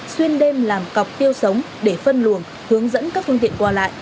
xuyên đêm làm cọc tiêu sống để phân luồng hướng dẫn các phương tiện qua lại